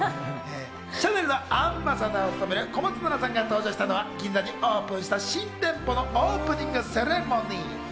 シャネルのアンバサダーを務める小松菜奈さんが登場したのは銀座にオープンした新店舗のオープニングセレモニー。